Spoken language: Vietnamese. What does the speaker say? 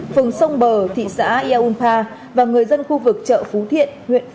phường sông bờ thị xã ia unpa và người dân khu vực chợ phú thiên